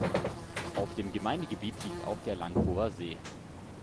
Auf dem Gemeindegebiet liegt auch der Lankower See.